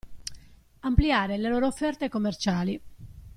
Ampliare le loro offerte commerciali.